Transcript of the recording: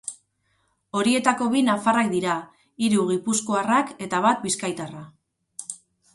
Horietako bi nafarrak dira, hiru gipuzkoarrak eta bat bizkaitarra.